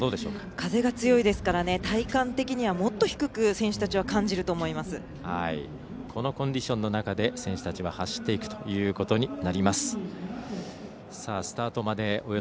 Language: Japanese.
風が強いですから体感的にはもっと低く選手たちはこのコンディションの中で選手たちは走っていくということになります。